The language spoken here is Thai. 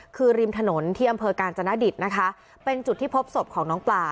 คือริมถนนที่อำเภอกาญจนดิตนะคะเป็นจุดที่พบศพของน้องปลา